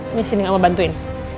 ini sini yang om bantuin